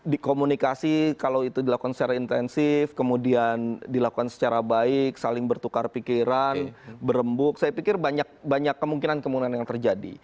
di komunikasi kalau itu dilakukan secara intensif kemudian dilakukan secara baik saling bertukar pikiran berembuk saya pikir banyak kemungkinan kemungkinan yang terjadi